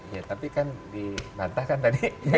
ya tapi kan dibantahkan tadi